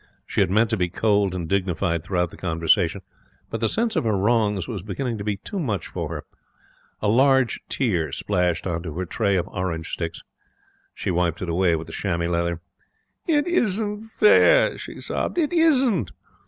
She had meant to be cold and dignified throughout the conversation, but the sense of her wrongs was beginning to be too much for her. A large tear splashed on to her tray of orange sticks. She wiped it away with the chamois leather. 'It isn't fair,' she sobbed. 'It isn't.